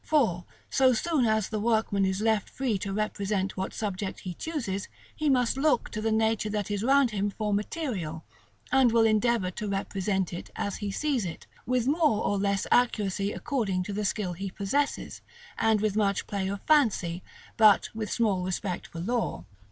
For, so soon as the workman is left free to represent what subjects he chooses, he must look to the nature that is round him for material, and will endeavor to represent it as he sees it, with more or less accuracy according to the skill he possesses, and with much play of fancy, but with small respect for law.